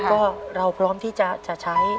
ก็เราพร้อมที่จะใช้